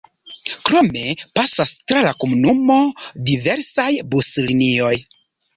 Krome pasas tra la komunumo diversaj buslinioj.